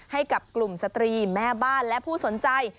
ให้กับกลุ่มสตรีแม่บ้านและผู้สนใจ